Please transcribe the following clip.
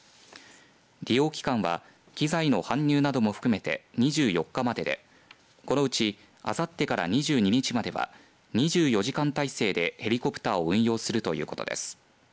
利用期間は機材の搬入なども含めて２４日まででこのうち、あさってから２２日までは２４時間態勢でヘリコプターを運用するということです。